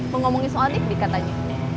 mengomongin soal dik dik katanya